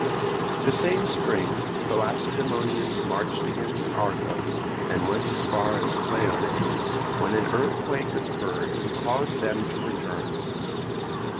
The same spring the Lacedaemonians marched against Argos, and went as far as Cleonae, when an earthquake occurred and caused them to return.